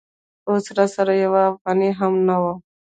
اوس راسره یوه افغانۍ هم نه وه.